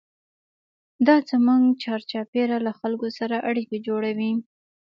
دا زموږ چارچاپېره له خلکو سره اړیکې جوړوي.